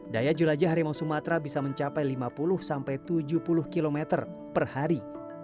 daya jelajah harimau sumatera bisa mencapai lima puluh sampai tujuh puluh km per hari